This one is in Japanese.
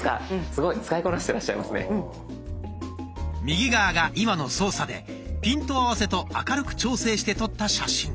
右側が今の操作でピント合わせと明るく調整して撮った写真。